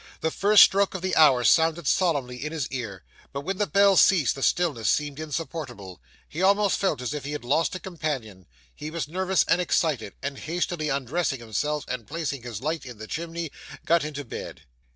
The first stroke of the hour sounded solemnly in his ear, but when the bell ceased the stillness seemed insupportable he almost felt as if he had lost a companion. He was nervous and excited; and hastily undressing himself and placing his light in the chimney, got into bed.